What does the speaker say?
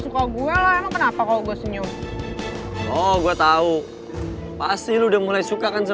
kayaknya gue tau nih gue harus gimana